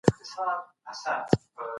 محمدطاهر جمرياڼى